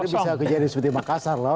bisa kejadian seperti makassar